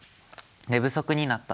「寝不足になった」